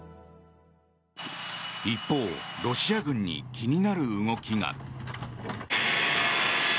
一方、ロシア軍に気になる動きが。